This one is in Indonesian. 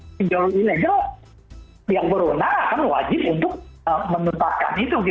pindol ilegal pihak berwenang akan wajib untuk diperlindungi